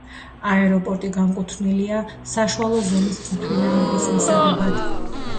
აეროპორტი განკუთვნილია საშუალო ზომის თვითმფრინავების მისაღებად.